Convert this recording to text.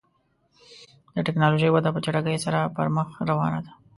د ټکنالوژۍ وده په چټکۍ سره پر مخ روانه ده.